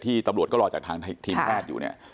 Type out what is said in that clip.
ที่ตำรวจก็รอจากทางทีมแพทย์อยู่